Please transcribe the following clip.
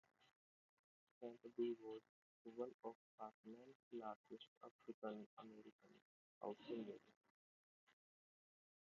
Camp B was one of Parchman's largest African-American housing units.